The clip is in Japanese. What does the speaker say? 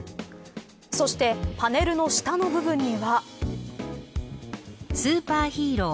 そしてパネルの下の部分には。